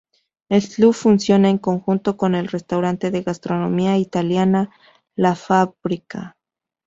El club funciona en conjunto con el restaurante de gastronomía italiana "La Fabbrica".